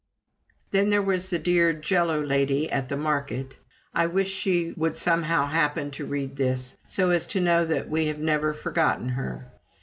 Then there was the dear "Jello" lady at the market. I wish she would somehow happen to read this, so as to know that we have never forgotten her.